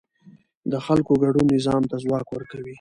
د خلکو ګډون نظام ته ځواک ورکوي